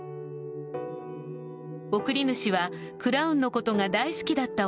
送り主は、クラウンのことが大好きだった